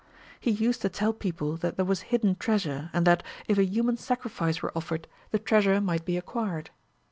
He used to tell people that there was hidden treasure, and that, if a human sacrifice were offered, the treasure might be acquired.